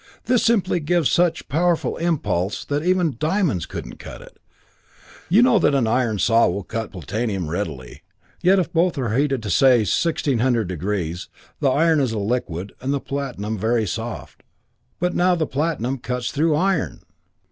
This simply gives such powerful impulse that even diamonds wouldn't cut it. "You know that an iron saw will cut platinum readily, yet if both are heated to say, 1600 degrees, the iron is a liquid, and the platinum very soft but now the platinum cuts through the iron!